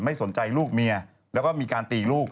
ไม่สนใจลูกเมียแล้วก็มีการตีลูก